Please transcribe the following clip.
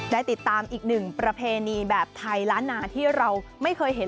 ได้ติดตามอีกหนึ่งประเพณีแบบไทยล้านนาที่เราไม่เคยเห็น